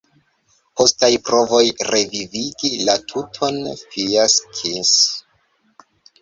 Postaj provoj revivigi la tuton fiaskis.